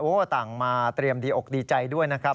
ต่างมาเตรียมดีอกดีใจด้วยนะครับ